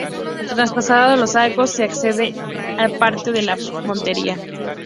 Traspasados los arcos se accede al patio de la Montería.